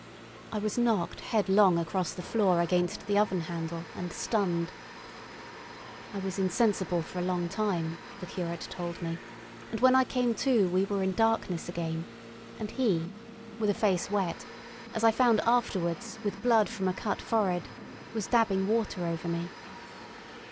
I was knocked headlong across the floor against the oven handle and stunned. I was insensible for a long time, the curate told me, and when I came to we were in darkness again, and he, with a face wet, as I found afterwards, with blood from a cut forehead, was dabbing water over me.